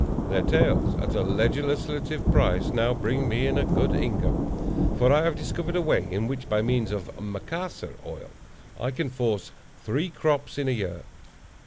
Their tails, at a legislative price, now bring me in a good income; for I have discovered a way, in which, by means of Macassar oil, I can force three crops in a year.